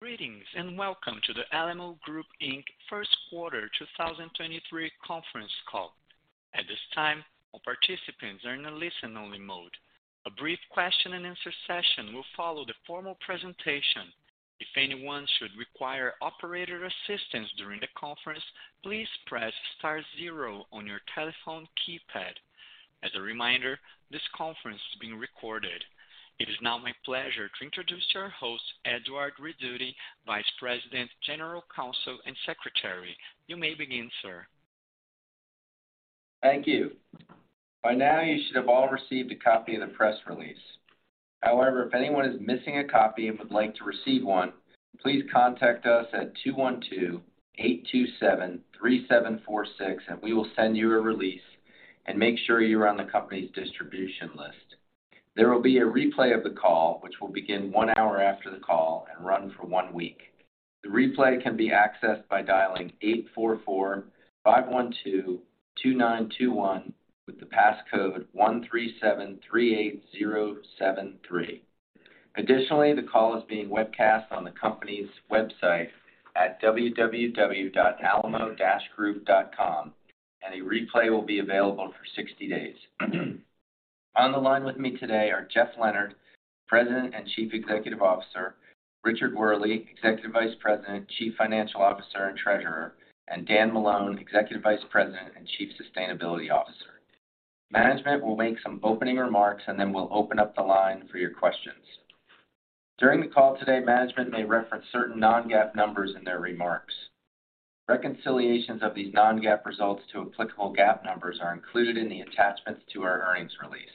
Greetings, welcome to the Alamo Group Inc. first quarter 2023 conference call. At this time, all participants are in a listen-only mode. A brief question-and-answer session will follow the formal presentation. If anyone should require operator assistance during the conference, please press star zero on your telephone keypad. As a reminder, this conference is being recorded. It is now my pleasure to introduce our host, Edward Rizzuti, Vice President, General Counsel, and Secretary. You may begin, sir. Thank you. By now, you should have all received a copy of the press release. However, if anyone is missing a copy and would like to receive one, please contact us at 212-827-3746, and we will send you a release and make sure you're on the company's distribution list. There will be a replay of the call, which will begin one hour after the call and run for one week. The replay can be accessed by dialing 844-512-2921 with the passcode 13738073. Additionally, the call is being webcast on the company's website at www.alamo-group.com, and a replay will be available for 60 days. On the line with me today are Jeff Leonard, President and Chief Executive Officer, Richard Wehrle, Executive Vice President, Chief Financial Officer and Treasurer, and Dan Malone, Executive Vice President and Chief Sustainability Officer. Management will make some opening remarks, and then we'll open up the line for your questions. During the call today, management may reference certain non-GAAP numbers in their remarks. Reconciliations of these non-GAAP results to applicable GAAP numbers are included in the attachments to our earnings release.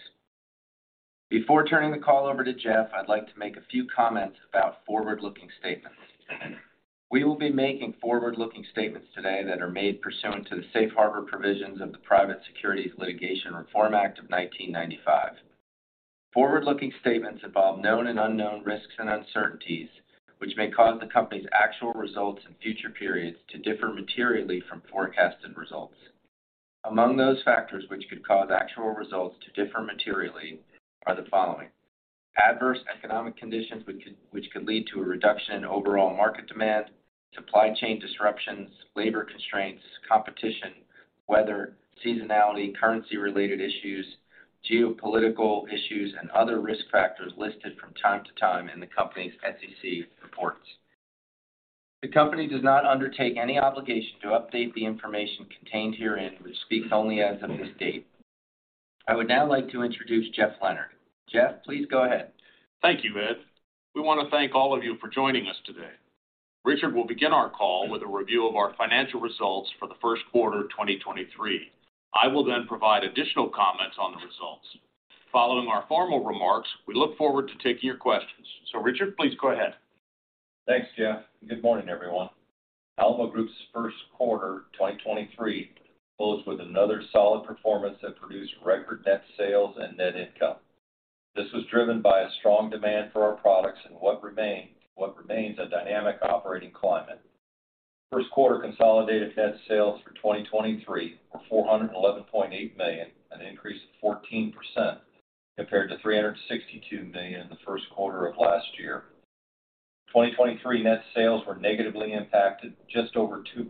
Before turning the call over to Jeff, I'd like to make a few comments about forward-looking statements. We will be making forward-looking statements today that are made pursuant to the Safe Harbor provisions of the Private Securities Litigation Reform Act of 1995. Forward-looking statements involve known and unknown risks and uncertainties which may cause the company's actual results in future periods to differ materially from forecasted results. Among those factors which could cause actual results to differ materially are the following: adverse economic conditions which could lead to a reduction in overall market demand, supply chain disruptions, labor constraints, competition, weather, seasonality, currency-related issues, geopolitical issues, and other risk factors listed from time to time in the company's SEC reports. The company does not undertake any obligation to update the information contained herein, which speaks only as of this date. I would now like to introduce Jeff Leonard. Jeff, please go ahead. Thank you, Ed. We want to thank all of you for joining us today. Richard will begin our call with a review of our financial results for the first quarter of 2023. I will provide additional comments on the results. Following our formal remarks, we look forward to taking your questions. Richard, please go ahead. Thanks, Jeff. Good morning, everyone. Alamo Group's first quarter 2023 closed with another solid performance that produced record net sales and net income. This was driven by a strong demand for our products in what remains a dynamic operating climate. First quarter consolidated net sales for 2023 were $411.8 million, an increase of 14% compared to $362 million the first quarter of last year. 2023 net sales were negatively impacted just over 2%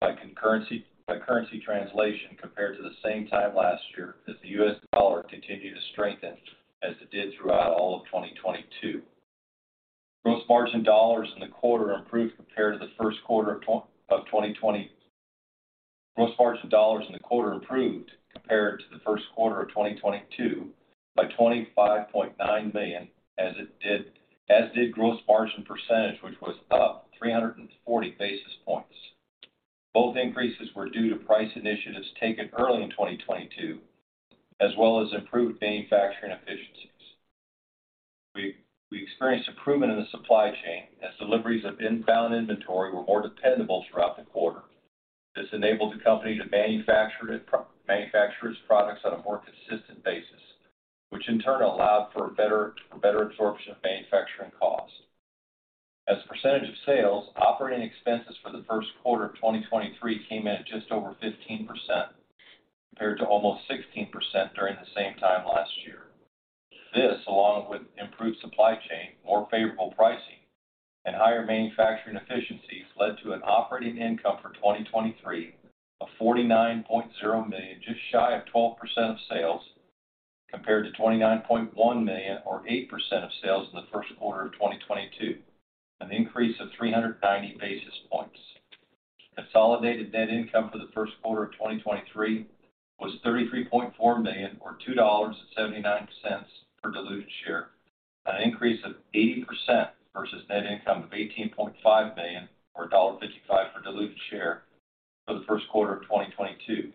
by currency translation compared to the same time last year as the US dollar continued to strengthen as it did throughout all of 2022. Gross margin dollars in the quarter improved compared to the first quarter of 2020... Gross margin dollars in the quarter improved compared to the first quarter of 2022 by $25.9 million as did gross margin percentage, which was up 340 basis points. Both increases were due to price initiatives taken early in 2022, as well as improved manufacturing efficiencies. We experienced improvement in the supply chain as deliveries of inbound inventory were more dependable throughout the quarter. This enabled the company to manufacture its products on a more consistent basis, which in turn allowed for better absorption of manufacturing costs. As a percentage of sales, operating expenses for the first quarter of 2023 came in at just over 15% compared to almost 16% during the same time last year. This, along with improved supply chain, more favorable pricing, and higher manufacturing efficiencies, led to an operating income for 2023 of $49.0 million, just shy of 12% of sales, compared to $29.1 million or 8% of sales in the first quarter of 2022, an increase of 390 basis points. Consolidated net income for the first quarter of 2023 was $33.4 million or $2.79 per diluted share, an increase of 80% versus net income of $18.5 million or $1.55 per diluted share for the first quarter of 2022.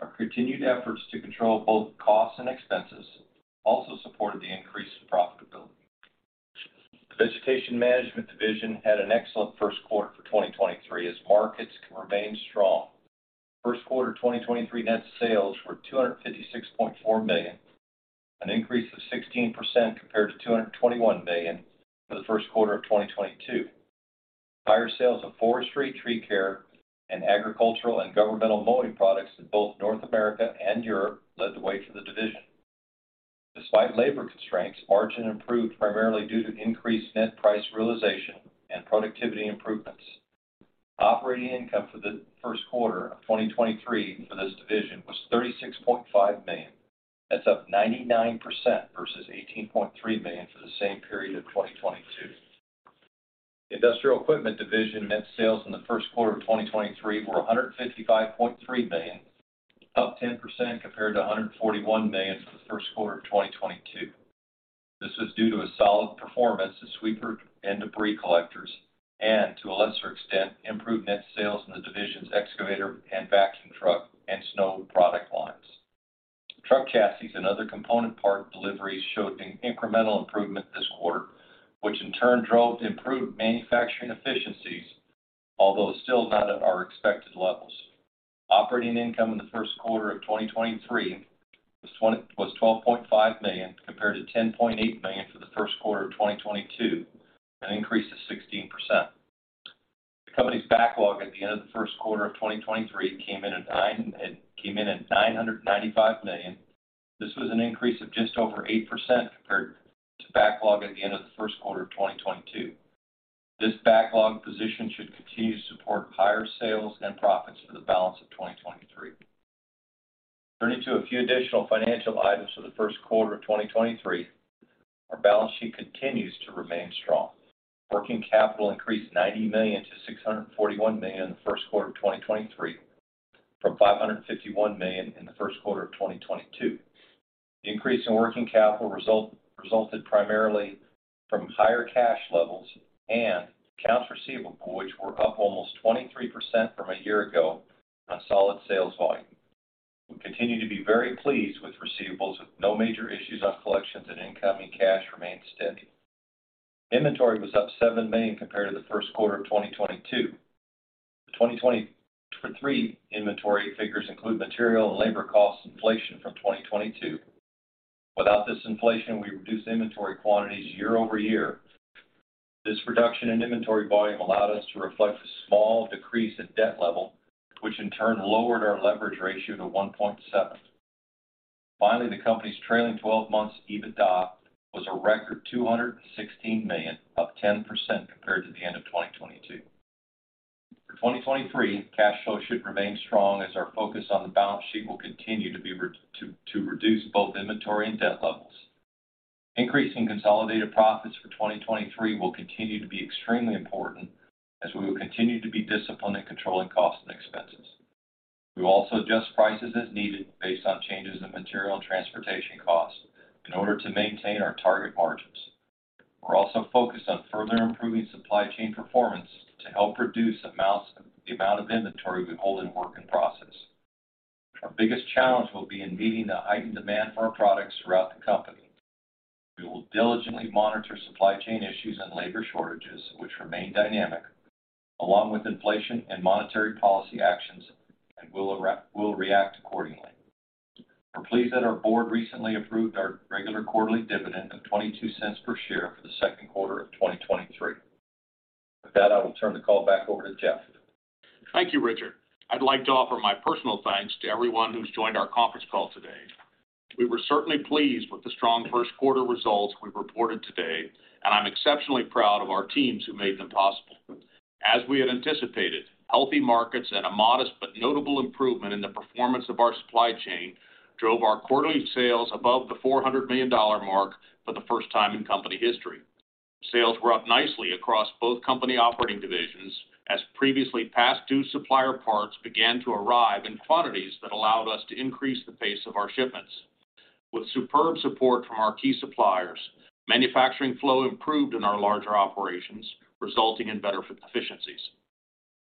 Our continued efforts to control both costs and expenses also supported the increase in profitability. The Vegetation Management division had an excellent first quarter for 2023 as markets remained strong. First quarter 2023 net sales were $256.4 million, an increase of 16% compared to $221 million for the first quarter of 2022. Higher sales of forestry, tree care, and agricultural and governmental mowing products in both North America and Europe led the way for the division. Despite labor constraints, margin improved primarily due to increased net price realization and productivity improvements. Operating income for the first quarter of 2023 for this division was $36.5 million. That's up 99% versus $18.3 million for the same period of 2022. Industrial Equipment division net sales in the first quarter of 2023 were $155.3 million, up 10% compared to $141 million for the first quarter of 2022. This was due to a solid performance of sweeper and debris collectors and to a lesser extent, improved net sales in the division's excavator and vacuum truck and snow product lines. Truck chassis and other component part deliveries showed an incremental improvement this quarter, which in turn drove improved manufacturing efficiencies, although still not at our expected levels. Operating income in the first quarter of 2023 was $12.5 million compared to $10.8 million for the first quarter of 2022, an increase of 16%. The company's backlog at the end of the first quarter of 2023 it came in at $995 million. This was an increase of just over 8% compared to backlog at the end of the first quarter of 2022. This backlog position should continue to support higher sales and profits for the balance of 2023. Turning to a few additional financial items for the first quarter of 2023. Our balance sheet continues to remain strong. Working capital increased $90 million to $641 million in the first quarter of 2023, from $551 million in the first quarter of 2022. The increase in working capital resulted primarily from higher cash levels and accounts receivable, which were up almost 23% from a year ago on solid sales volume. We continue to be very pleased with receivables with no major issues on collections and incoming cash remains steady. Inventory was up $7 million compared to the first quarter of 2022. The 2023 inventory figures include material and labor cost inflation from 2022. Without this inflation, we reduced inventory quantities year-over-year. This reduction in inventory volume allowed us to reflect a small decrease in debt level, which in turn lowered our leverage ratio to 1.7. The company's trailing twelve months EBITDA was a record $216 million, up 10% compared to the end of 2022. For 2023, cash flow should remain strong as our focus on the balance sheet will continue to reduce both inventory and debt levels. Increasing consolidated profits for 2023 will continue to be extremely important as we will continue to be disciplined in controlling costs and expenses. We will also adjust prices as needed based on changes in material and transportation costs in order to maintain our target margins. We're also focused on further improving supply chain performance to help reduce the amount of inventory we hold in work in process. Our biggest challenge will be in meeting the heightened demand for our products throughout the company. We will diligently monitor supply chain issues and labor shortages, which remain dynamic, along with inflation and monetary policy actions, we'll react accordingly. We're pleased that our board recently approved our regular quarterly dividend of $0.22 per share for the second quarter of 2023. With that, I will turn the call back over to Jeff. Thank you, Richard. I'd like to offer my personal thanks to everyone who's joined our conference call today. We were certainly pleased with the strong first quarter results we reported today, and I'm exceptionally proud of our teams who made them possible. As we had anticipated, healthy markets and a modest but notable improvement in the performance of our supply chain drove our quarterly sales above the $400 million mark for the first time in company history. Sales were up nicely across both company operating divisions as previously past due supplier parts began to arrive in quantities that allowed us to increase the pace of our shipments. With superb support from our key suppliers, manufacturing flow improved in our larger operations, resulting in better efficiencies.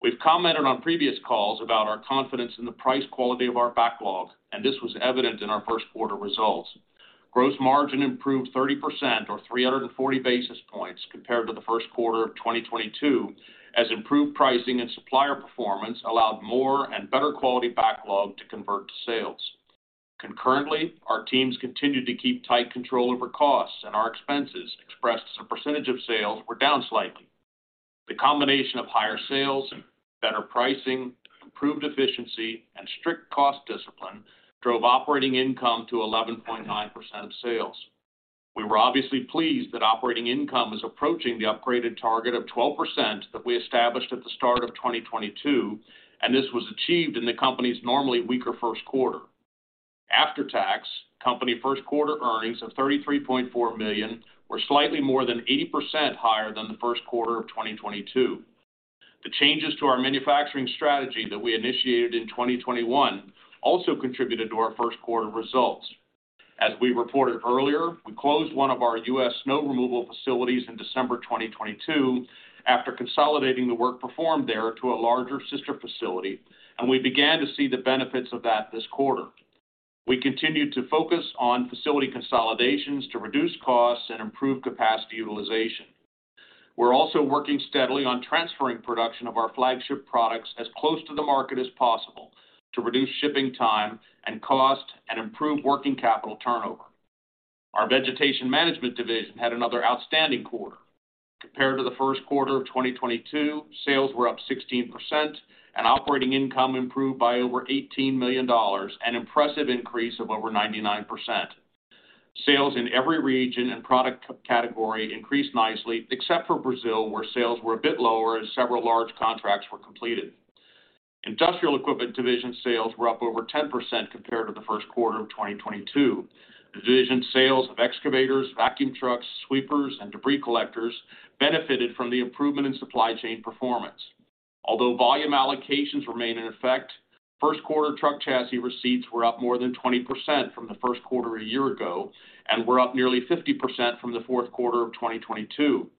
We've commented on previous calls about our confidence in the price quality of our backlog, and this was evident in our first quarter results. Gross margin improved 30% or 340 basis points compared to the first quarter of 2022 as improved pricing and supplier performance allowed more and better quality backlog to convert to sales. Concurrently, our teams continued to keep tight control over costs, and our expenses, expressed as a percentage of sales, were down slightly. The combination of higher sales, better pricing, improved efficiency, and strict cost discipline drove operating income to 11.9% of sales. We were obviously pleased that operating income is approaching the upgraded target of 12% that we established at the start of 2022, and this was achieved in the company's normally weaker first quarter. After tax, company first quarter earnings of $33.4 million were slightly more than 80% higher than the first quarter of 2022. The changes to our manufacturing strategy that we initiated in 2021 also contributed to our first quarter results. As we reported earlier, we closed one of our U.S. snow removal facilities in December 2022 after consolidating the work performed there to a larger sister facility, and we began to see the benefits of that this quarter. We continued to focus on facility consolidations to reduce costs and improve capacity utilization. We're also working steadily on transferring production of our flagship products as close to the market as possible to reduce shipping time and cost and improve working capital turnover. Our Vegetation Management division had another outstanding quarter. Compared to the first quarter of 2022, sales were up 16% and operating income improved by over $18 million, an impressive increase of over 99%. Sales in every region and product category increased nicely, except for Brazil, where sales were a bit lower as several large contracts were completed. Industrial Equipment division sales were up over 10% compared to the first quarter of 2022. Division sales of excavators, vacuum trucks, sweepers, and debris collectors benefited from the improvement in supply chain performance. Volume allocations remain in effect, first quarter truck chassis receipts were up more than 20% from the first quarter a year ago and were up nearly 50% from the fourth quarter of 2022.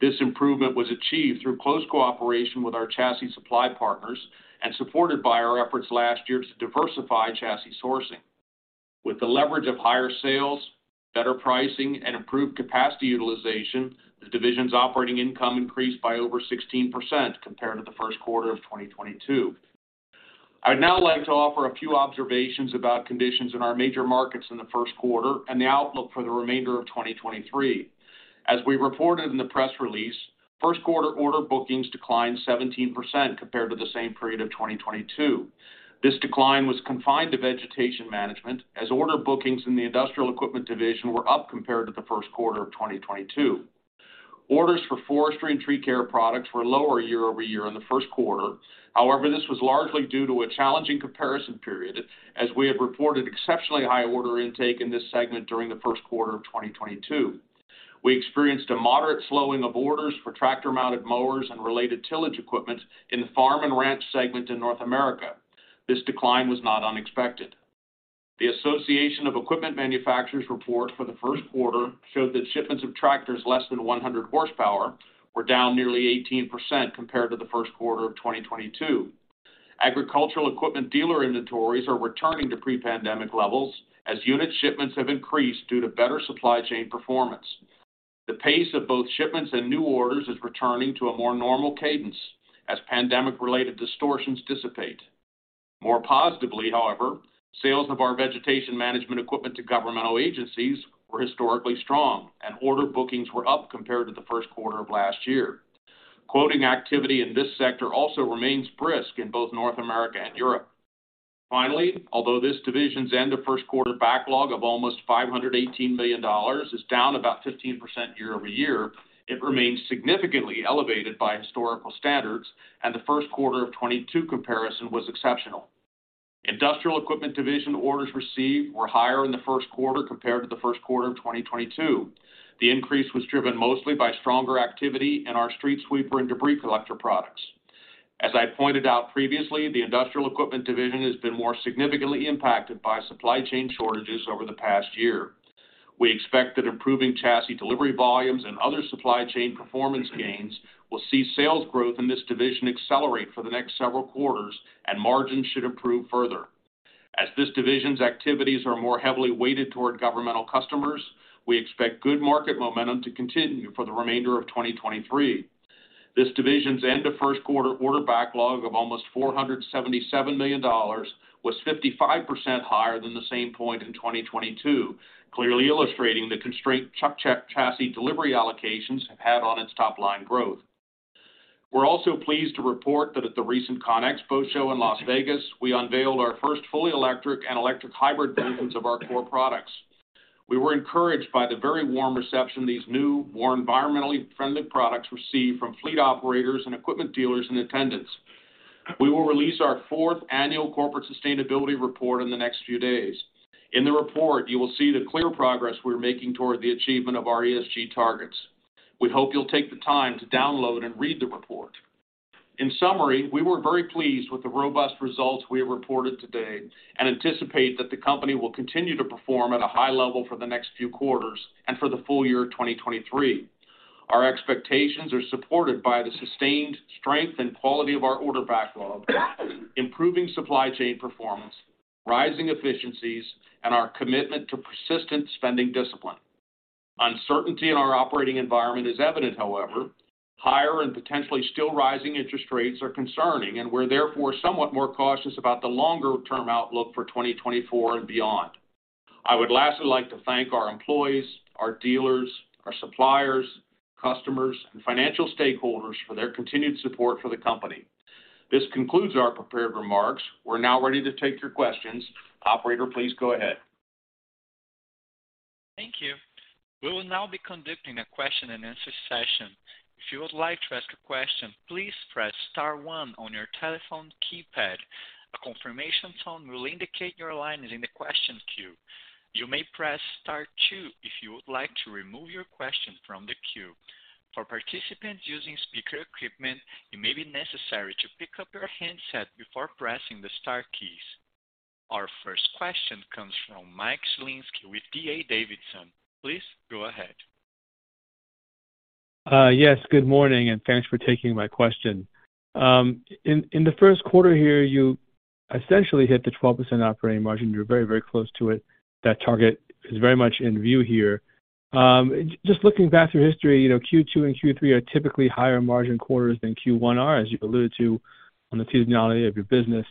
This improvement was achieved through close cooperation with our chassis supply partners and supported by our efforts last year to diversify chassis sourcing. With the leverage of higher sales, better pricing, and improved capacity utilization, the division's operating income increased by over 16% compared to the first quarter of 2022. I'd now like to offer a few observations about conditions in our major markets in the first quarter and the outlook for the remainder of 2023. As we reported in the press release, first quarter order bookings declined 17% compared to the same period of 2022. This decline was confined to Vegetation Management, as order bookings in the Industrial Equipment division were up compared to the first quarter of 2022. Orders for forestry and tree care products were lower year-over-year in the first quarter. This was largely due to a challenging comparison period, as we had reported exceptionally high order intake in this segment during the first quarter of 2022. We experienced a moderate slowing of orders for tractor-mounted mowers and related tillage equipment in the farm and ranch segment in North America. This decline was not unexpected. The Association of Equipment Manufacturers report for the first quarter showed that shipments of tractors less than 100 horsepower were down nearly 18% compared to the first quarter of 2022. Agricultural equipment dealer inventories are returning to pre-pandemic levels as unit shipments have increased due to better supply chain performance. The pace of both shipments and new orders is returning to a more normal cadence as pandemic-related distortions dissipate. More positively, however, sales of our Vegetation Management equipment to governmental agencies were historically strong, and order bookings were up compared to the first quarter of last year. Quoting activity in this sector also remains brisk in both North America and Europe. Although this Division's end of first quarter backlog of almost $518 million is down about 15% year-over-year, it remains significantly elevated by historical standards, and the first quarter of 2022 comparison was exceptional. Industrial Equipment Division orders received were higher in the first quarter compared to the first quarter of 2022. The increase was driven mostly by stronger activity in our street sweeper and debris collector products. As I pointed out previously, the Industrial Equipment Division has been more significantly impacted by supply chain shortages over the past year. We expect that improving chassis delivery volumes and other supply chain performance gains will see sales growth in this Division accelerate for the next several quarters, and margins should improve further. This division's activities are more heavily weighted toward governmental customers, we expect good market momentum to continue for the remainder of 2023. This division's end of first quarter order backlog of almost $477 million was 55% higher than the same point in 2022, clearly illustrating the constraint chassis delivery allocations have had on its top-line growth. We're also pleased to report that at the recent CONEXPO-CON/AGG show in Las Vegas, we unveiled our first fully electric and electric hybrid versions of our core products. We were encouraged by the very warm reception these new, more environmentally friendly products received from fleet operators and equipment dealers in attendance. We will release our 4th annual corporate sustainability report in the next few days. In the report, you will see the clear progress we're making toward the achievement of our ESG targets. We hope you'll take the time to download and read the report. In summary, we were very pleased with the robust results we have reported today and anticipate that the company will continue to perform at a high level for the next few quarters and for the full year 2023. Our expectations are supported by the sustained strength and quality of our order backlog, improving supply chain performance, rising efficiencies, and our commitment to persistent spending discipline. Uncertainty in our operating environment is evident, however. Higher and potentially still rising interest rates are concerning, and we're therefore somewhat more cautious about the longer-term outlook for 2024 and beyond. I would lastly like to thank our employees, our dealers, our suppliers, customers, and financial stakeholders for their continued support for the company. This concludes our prepared remarks. We're now ready to take your questions. Operator, please go ahead. Thank you. We will now be conducting a question and answer session. If you would like to ask a question, please press star one on your telephone keypad. A confirmation tone will indicate your line is in the question queue. You may press star two if you would like to remove your question from the queue. For participants using speaker equipment, it may be necessary to pick up your handset before pressing the star keys. Our first question comes from Mike Shlisky with D.A. Davidson. Please go ahead. Yes. Good morning, and thanks for taking my question. In the first quarter here, you essentially hit the 12% operating margin. You're very, very close to it. That target is very much in view here. Just looking back through history, you know, Q2 and Q3 are typically higher margin quarters than Q1 are, as you've alluded to on the seasonality of your business.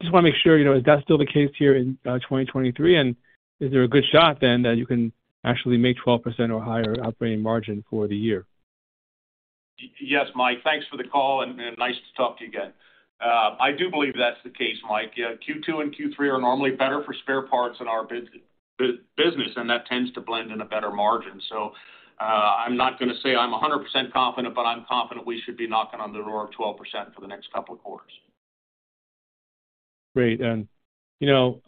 Just wanna make sure, you know, is that still the case here in 2023? Is there a good shot then that you can actually make 12% or higher operating margin for the year? yes, Mike, thanks for the call and nice to talk to you again. I do believe that's the case, Mike. Yeah, Q2 and Q3 are normally better for spare parts in our business, and that tends to blend in a better margin. I'm not gonna say I'm 100% confident, but I'm confident we should be knocking on the door of 12% for the next couple of quarters. Great. You know,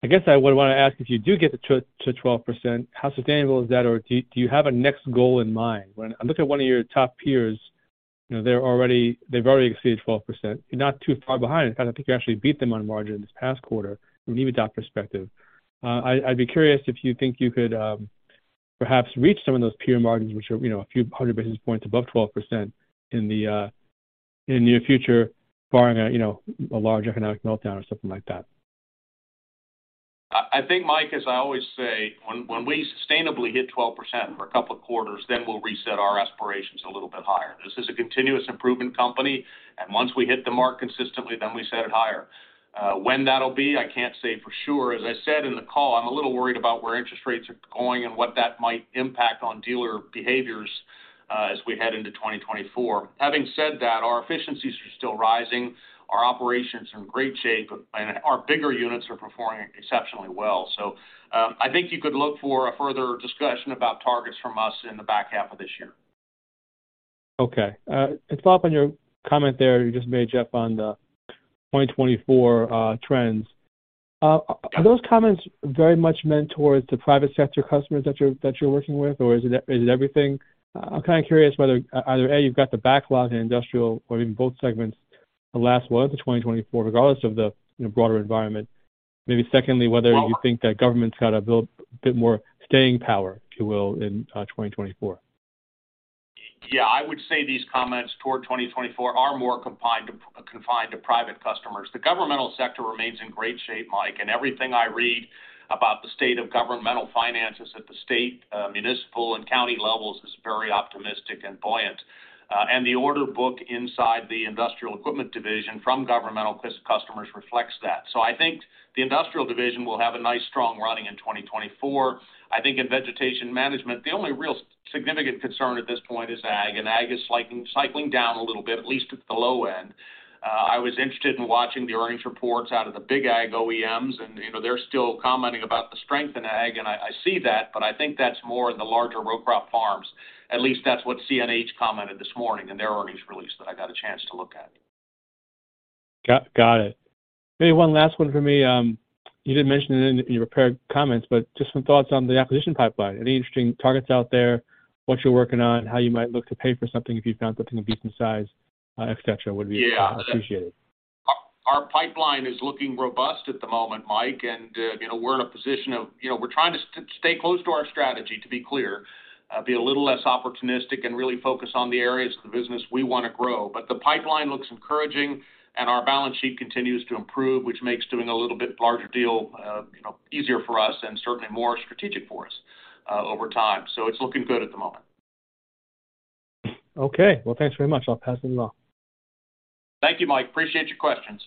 I guess I would wanna ask if you do get to 12%, how sstainable is that? Do you have a next goal in mind? When I looked at one of your top peers, you know, they've already exceeded 12%. You're not too far behind. In fact, I think you actually beat them on margin this past quarter from even that perspective. I'd be curious if you think you could perhaps reach some of those peer margins, which are, you know, a few hundred basis points above 12% in the near future, barring a, you know, a large economic meltdown or something like that. I think, Mike, as I always say, when we sustainably hit 12% for a couple of quarters, then we'll reset our aspirations a little bit higher. This is a continuous improvement company, and once we hit the mark consistently, then we set it higher. When that'll be, I can't say for sure. As I said in the call, I'm a little worried about where interest rates are going and what that might impact on dealer behaviors, as we head into 2024. Having said that, our efficiencies are still rising, our operation's in great shape, and our bigger units are performing exceptionally well. I think you could look for a further discussion about targets from us in the back half of this year. Okay. To follow up on your comment there you just made, Jeff, on the 2024 trends. Are those comments very much meant towards the private sector customers that you're working with, or is it everything? I'm kinda curious whether either, A, you've got the backlog in industrial or in both segments to last well into 2024, regardless of the, you know, broader environment. Maybe secondly, whether you think that government's got a bit more staying power, if you will, in 2024. I would say these comments toward 2024 are more confined to private customers. The governmental sector remains in great shape, Mike. Everything I read about the state of governmental finances at the state, municipal and county levels is very optimistic and buoyant. The order book inside the Industrial Equipment division from governmental customers reflects that. I think the Industrial Equipment division will have a nice, strong running in 2024. I think in Vegetation Management, the only real significant concern at this point is ag. Ag is cycling down a little bit, at least at the low end. I was interested in watching the earnings reports out of the big ag OEMs, you know, they're still commenting about the strength in ag. I see that, but I think that's more in the larger row crop farms. At least that's what CNH commented this morning in their earnings release that I got a chance to look at. Got it. Maybe one last one for me. You did mention it in your prepared comments, but just some thoughts on the acquisition pipeline. Any interesting targets out there, what you're working on, how you might look to pay for something if you found something of decent size, et cetera, would be appreciated. Yeah. Our, our pipeline is looking robust at the moment, Mike. You know, we're in a position of... You know, we're trying to stay close to our strategy, to be clear, be a little less opportunistic and really focus on the areas of the business we wanna grow. The pipeline looks encouraging and our balance sheet continues to improve, which makes doing a little bit larger deal, you know, easier for us and certainly more strategic for us over time. It's looking good at the moment. Okay. Well, thanks very much. I'll pass it along. Thank you, Mike. Appreciate your questions.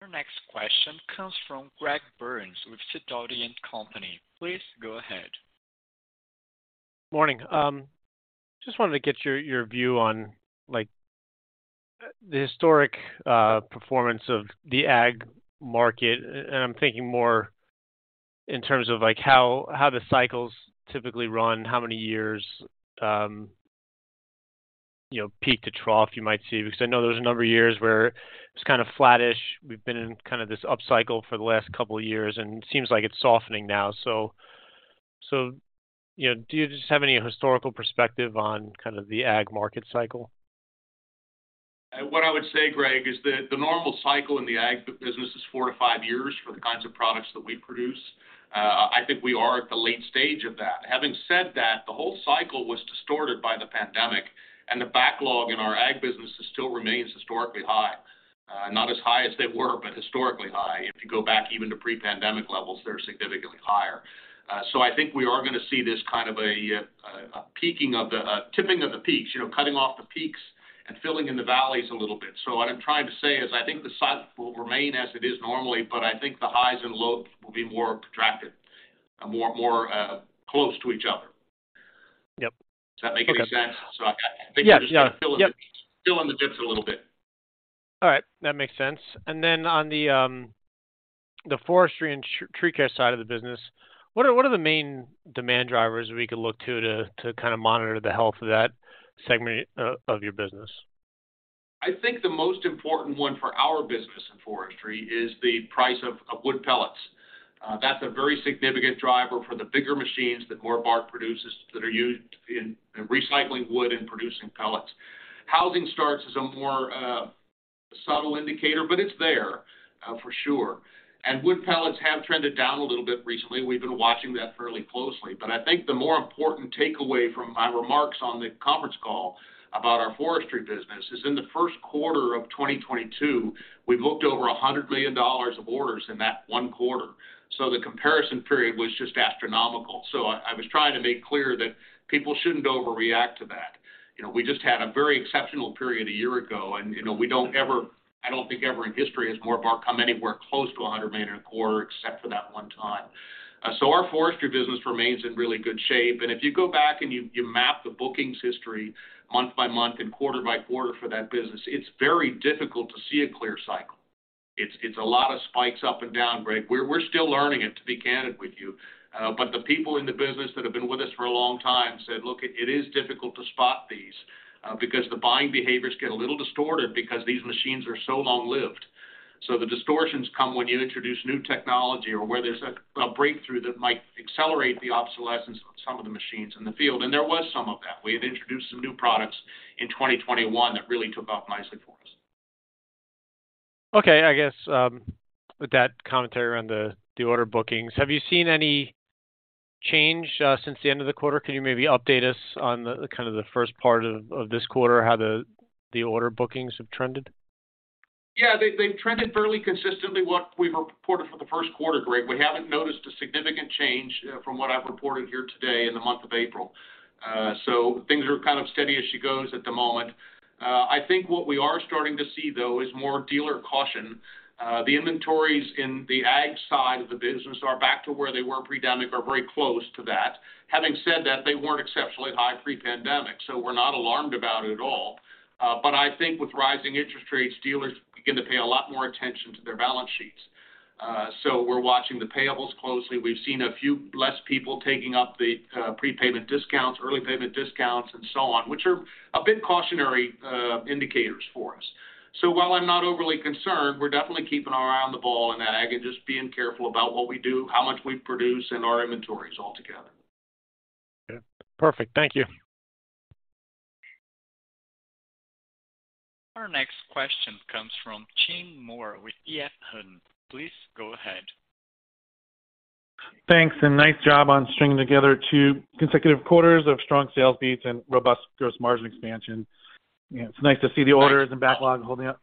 Our next question comes from Greg Burns with Sidoti & Company. Please go ahead. Morning. just wanted to get your view on, like, the historic, performance of the ag market. I'm thinking more in terms of, like, how the cycles typically run, how many years, you know, peak to trough you might see. Because I know there's a number of years where it's kind of flattish. We've been in kind of this upcycle for the last couple of years, and it seems like it's softening now. you know, do you just have any historical perspective on kind of the ag market cycle? What I would say, Greg, is that the normal cycle in the ag business is four to five years for the kinds of products that we produce. I think we are at the late stage of that. Having said that, the whole cycle was distorted by the pandemic, the backlog in our ag business still remains historically high. Not as high as they were, but historically high. If you go back even to pre-pandemic levels, they're significantly higher. I think we are gonna see this kind of a tipping of the peaks. You know, cutting off the peaks and filling in the valleys a little bit. What I'm trying to say is I think the cycle will remain as it is normally, but I think the highs and lows will be more protracted, more close to each other. Yep. Does that make any sense? Okay. I think you're just gonna fill in the peaks, fill in the dips a little bit. All right. That makes sense. On the forestry and tree care side of the business, what are the main demand drivers we could look to kinda monitor the health of that segment of your business? I think the most important one for our business in forestry is the price of wood pellets. That's a very significant driver for the bigger machines that Morbark produces that are used in recycling wood and producing pellets. Housing starts is A subtle indicator, but it's there for sure. Wood pellets have trended down a little bit recently. We've been watching that fairly closely. I think the more important takeaway from my remarks on the conference call about our forestry business is in the first quarter of 2022, we booked over $100 million of orders in that one quarter. The comparison period was just astronomical. I was trying to make clear that people shouldn't overreact to that. You know, we just had a very exceptional period a year ago, and, you know, we don't I don't think ever in history has Morbark come anywhere close to $100 million in a quarter except for that one time. Our forestry business remains in really good shape. If you go back and you map the bookings history month by month and quarter by quarter for that business, it's very difficult to see a clear cycle. It's a lot of spikes up and down, Greg. We're still learning it, to be candid with you. The people in the business that have been with us for a long time said, "Look, it is difficult to spot these because the buying behaviors get a little distorted because these machines are so long-lived." The distortions come when you introduce new technology or where there's a breakthrough that might accelerate the obsolescence of some of the machines in the field, and there was some of that. We had introduced some new products in 2021 that really took off nicely for us. I guess, with that commentary around the order bookings, have you seen any change since the end of the quarter? Can you maybe update us on the kind of the first part of this quarter, how the order bookings have trended? Yeah. They've, they've trended fairly consistently what we've reported for the first quarter, Greg. We haven't noticed a significant change from what I've reported here today in the month of April. Things are kind of steady as she goes at the moment. I think what we are starting to see, though, is more dealer caution. The inventories in the ag side of the business are back to where they were pre-pandemic or very close to that. Having said that, they weren't exceptionally high pre-pandemic, so we're not alarmed about it at all. I think with rising interest rates, dealers begin to pay a lot more attention to their balance sheets. We're watching the payables closely. We've seen a few less people taking up the prepayment discounts, early payment discounts and so on, which are a bit cautionary indicators for us. While I'm not overly concerned, we're definitely keeping our eye on the ball in ag and just being careful about what we do, how much we produce, and our inventories altogether. Okay. Perfect. Thank you. Our next question comes from Chip Moore with EF Hutton. Please go ahead. Thanks. Nice job on stringing together two consecutive quarters of strong sales beats and robust gross margin expansion. You know, it's nice to see the orders and backlog holding up.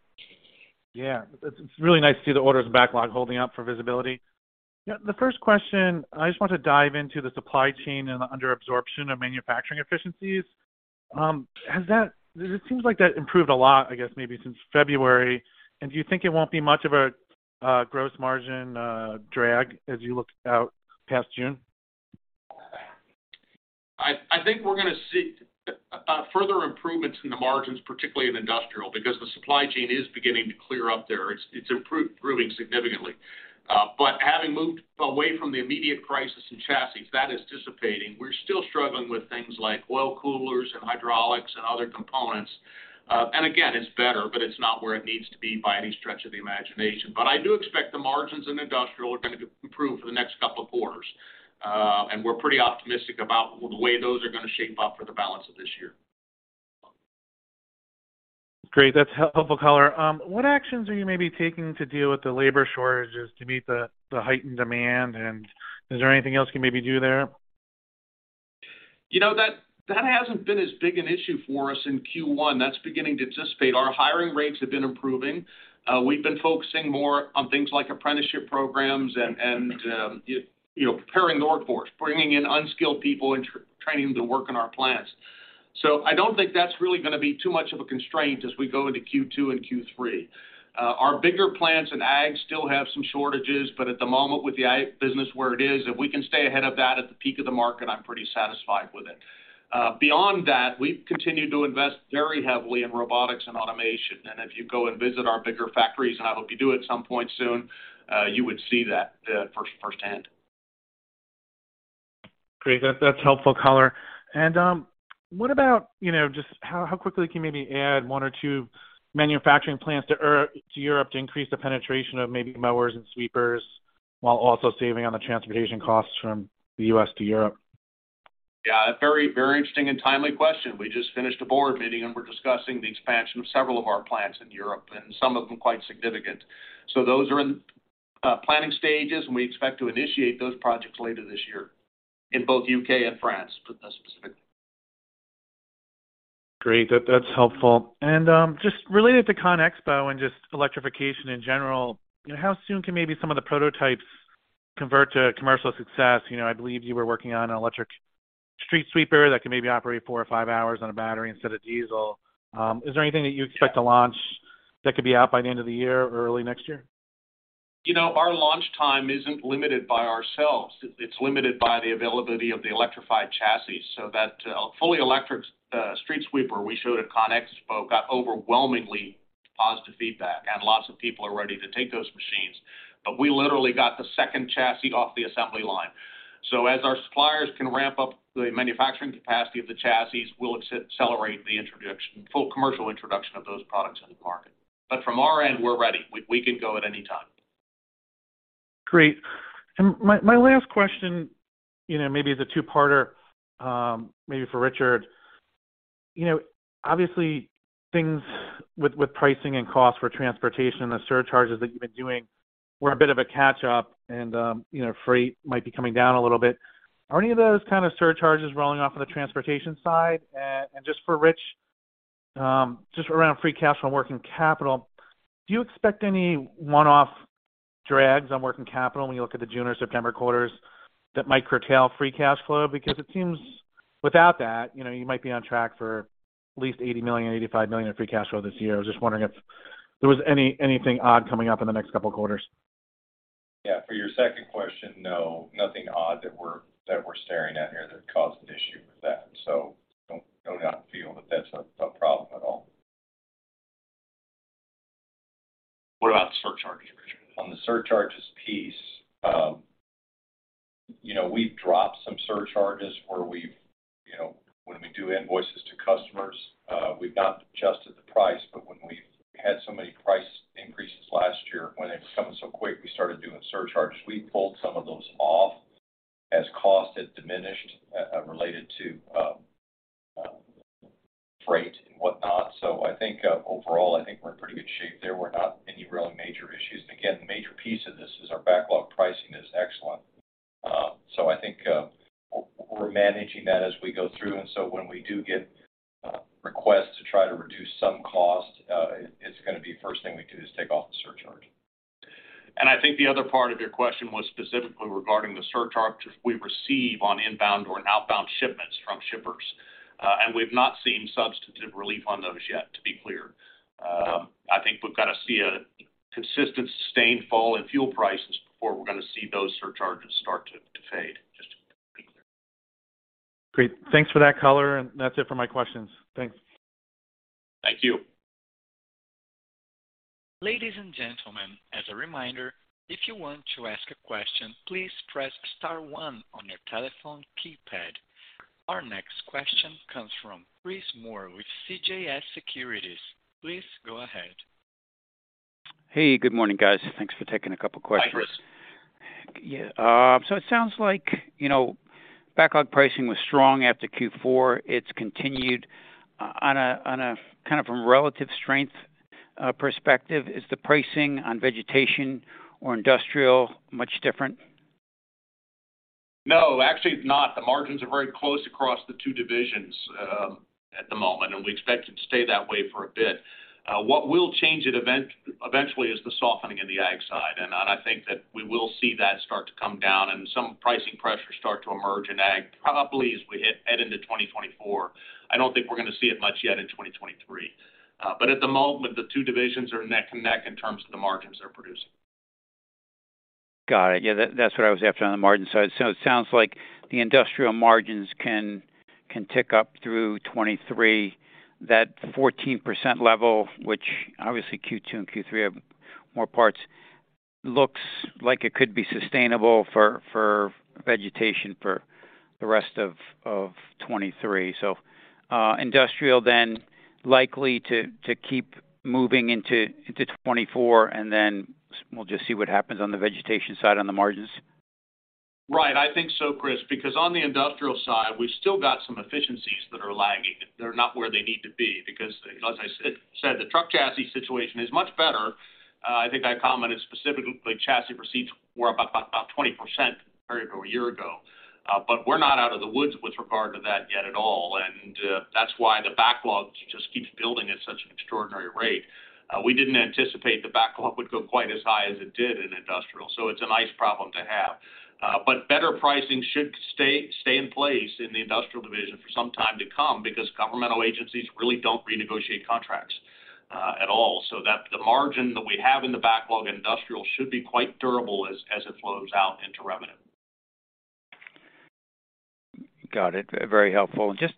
Yeah, it's really nice to see the orders and backlog holding up for visibility. The first question, I just want to dive into the supply chain and the under absorption of manufacturing efficiencies. It seems like that improved a lot, I guess, maybe since February. Do you think it won't be much of a gross margin drag as you look out past June? I think we're gonna see further improvements in the margins, particularly in Industrial, because the supply chain is beginning to clear up there. It's improving significantly. Having moved away from the immediate crisis in chassis, that is dissipating. We're still struggling with things like oil coolers and hydraulics and other components. Again, it's better, but it's not where it needs to be by any stretch of the imagination. I do expect the margins in Industrial are gonna improve for the next couple of quarters. We're pretty optimistic about the way those are gonna shape up for the balance of this year. Great. That's helpful color. What actions are you maybe taking to deal with the labor shortages to meet the heightened demand? Is there anything else you can maybe do there? You know, that hasn't been as big an issue for us in Q1. That's beginning to dissipate. Our hiring rates have been improving. We've been focusing more on things like apprenticeship programs and, you know, preparing the workforce, bringing in unskilled people and training them to work in our plants. I don't think that's really gonna be too much of a constraint as we go into Q2 and Q3. Our bigger plants in ag still have some shortages, but at the moment, with the ag business where it is, if we can stay ahead of that at the peak of the market, I'm pretty satisfied with it. Beyond that, we've continued to invest very heavily in robotics and automation. If you go and visit our bigger factories, and I hope you do at some point soon, you would see that firsthand. Great. That's helpful color. What about, you know, just how quickly can you maybe add one or two manufacturing plants to Europe to increase the penetration of maybe mowers and sweepers while also saving on the transportation costs from the U.S. to Europe? Yeah. A very, very interesting and timely question. We're discussing the expansion of several of our plants in Europe, and some of them quite significant. Those are in planning stages, and we expect to initiate those projects later this year in both U.K. and France, put that specifically. Great. That's helpful. Just related to CONEXPO and just electrification in general, you know, how soon can maybe some of the prototypes convert to commercial success? You know, I believe you were working on an electric street sweeper that can maybe operate four or five hours on a battery instead of diesel. Is there anything that you expect to launch that could be out by the end of the year or early next year? You know, our launch time isn't limited by ourselves. It's limited by the availability of the electrified chassis. That fully electric street sweeper we showed at ConExpo got overwhelmingly positive feedback, and lots of people are ready to take those machines. We literally got the second chassis off the assembly line. As our suppliers can ramp up the manufacturing capacity of the chassis, we'll accelerate the introduction, full commercial introduction of those products in the market. From our end, we're ready. We can go at any time. Great. My last question, you know, maybe is a two-parter, maybe for Richard. Obviously things with pricing and cost for transportation, the surcharges that you've been doing were a bit of a catch-up and, you know, freight might be coming down a little bit. Are any of those kind of surcharges rolling off of the transportation side? Just for Rich, just around free cash flow and working capital, do you expect any one-off drags on working capital when you look at the June or September quarters that might curtail free cash flow? It seems without that, you know, you might be on track for at least $80 million-$85 million of free cash flow this year. I was just wondering if there was anything odd coming up in the next couple of quarters. Yeah. For your second question, no, nothing odd that we're staring at here that caused an issue with that. Don't feel that that's a problem at all. What about the surcharges, Richard? On the surcharges piece, you know, we've dropped some surcharges where we've. You know, when we do invoices to customers, we've not adjusted the price, but when we've had so many price increases last year, when they were coming so quick, we started doing surcharges. We pulled some of those off as cost had diminished, related to freight and whatnot. I think overall, I think we're in pretty good shape there. We're not any really major issues. Again, the major piece of this is our backlog pricing is excellent. I think we're managing that as we go through. When we do get requests to try to reduce some cost, it's gonna be first thing we do is take off the surcharge. I think the other part of your question was specifically regarding the surcharge which we receive on inbound or outbound shipments from shippers. We've not seen substantive relief on those yet, to be clear. I think we've got to see a consistent, sustained fall in fuel prices before we're gonna see those surcharges start to fade. Just to be clear. Great. Thanks for that color. That's it for my questions. Thanks. Thank you. Ladies and gentlemen, as a reminder, if you want to ask a question, please press star one on your telephone keypad. Our next question comes from Chris Moore with CJS Securities. Please go ahead. Hey, good morning, guys. Thanks for taking a couple questions. Hi, Chris. It sounds like, you know, backlog pricing was strong after Q4. It's continued on a kind of a relative strength perspective. Is the pricing on vegetation or industrial much different? No, actually it's not. The margins are very close across the two divisions at the moment. We expect it to stay that way for a bit. What will change it eventually is the softening in the ag side. I think that we will see that start to come down and some pricing pressures start to emerge in ag, probably as we hit head into 2024. I don't think we're gonna see it much yet in 2023. At the moment, the two divisions are neck and neck in terms of the margins they're producing. Got it. Yeah, that's what I was after on the margin side. It sounds like the Industrial margins can tick up through 2023. That 14% level, which obviously Q2 and Q3 have more parts, looks like it could be sustainable for Vegetation for the rest of 2023. Industrial then likely to keep moving into 2024, we'll just see what happens on the Vegetation side on the margins. Right. I think so, Chris, on the Industrial side, we've still got some efficiencies that are lagging. They're not where they need to be as I said, the truck chassis situation is much better. I think I commented specifically, chassis receipts were about 20% compared to a year ago. We're not out of the woods with regard to that yet at all. That's why the backlog just keeps building at such an extraordinary rate. We didn't anticipate the backlog would go quite as high as it did in Industrial, it's a nice problem to have. Better pricing should stay in place in the Industrial division for some time to come governmental agencies really don't renegotiate contracts at all. That the margin that we have in the backlog Industrial should be quite durable as it flows out into revenue. Got it. Very helpful. Just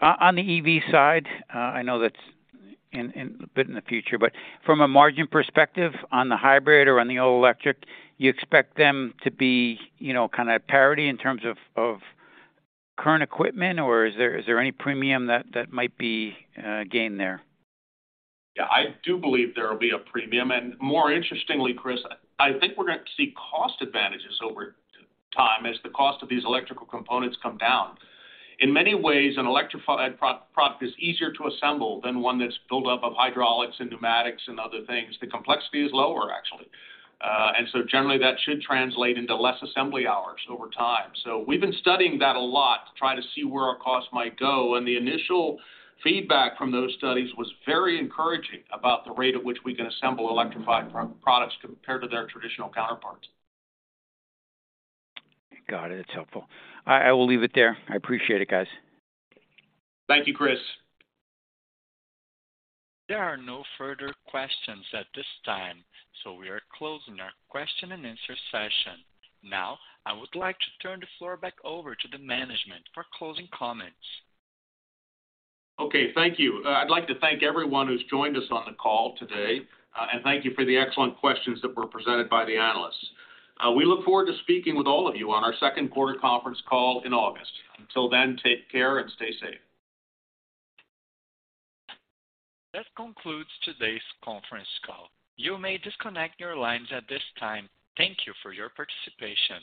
on the EV side, I know that's in a bit in the future, but from a margin perspective on the hybrid or on the all electric, do you expect them to be, you know, kinda at parity in terms of current equipment, or is there any premium that might be gained there? Yeah, I do believe there will be a premium. More interestingly, Chris, I think we're gonna see cost advantages over time as the cost of these electrical components come down. In many ways, an electrified product is easier to assemble than one that's built up of hydraulics and pneumatics and other things. The complexity is lower, actually. Generally, that should translate into less assembly hours over time. We've been studying that a lot to try to see where our costs might go. The initial feedback from those studies was very encouraging about the rate at which we can assemble electrified products compared to their traditional counterparts. Got it. It's helpful. I will leave it there. I appreciate it, guys. Thank you, Chris. There are no further questions at this time. We are closing our question and answer session. I would like to turn the floor back over to the management for closing comments. Okay, thank you. I'd like to thank everyone who's joined us on the call today. Thank you for the excellent questions that were presented by the analysts. We look forward to speaking with all of you on our second quarter conference call in August. Until then, take care and stay safe. This concludes today's conference call. You may disconnect your lines at this time. Thank you for your participation.